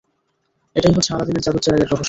এটাই হচ্ছে আলাদীনের জাদুর চেরাগের রহস্য।